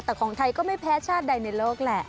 แต่ของไทยก็ไม่แพ้ชาติใดในโลกแหละ